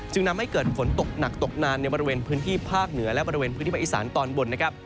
ทำให้เกิดฝนตกหนักตกนานในบริเวณพื้นที่ภาคเหนือและบริเวณพื้นที่ภาคอีสานตอนบนนะครับ